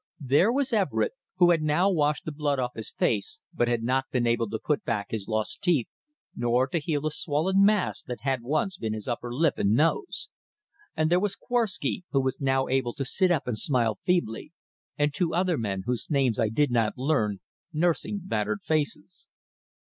There was Everett, who had now washed the blood off his face, but had not been able to put back his lost teeth, nor to heal the swollen mass that had once been his upper lip and nose. And there was Korwsky, who was now able to sit up and smile feebly, and two other men, whose names I did not learn, nursing battered faces.